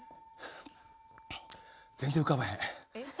全然浮かばへん。